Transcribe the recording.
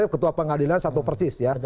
ketua pengadilan satu persis ya